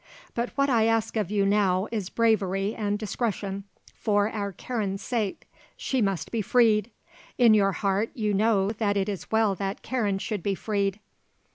But what I ask of you now is bravery and discretion, for our Karen's sake. She must be freed; in your heart you know that it is well that Karen should be freed.